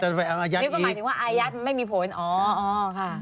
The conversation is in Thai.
นี่ก็หมายถึงว่าอายัดมันไม่มีผลอ๋อค่ะ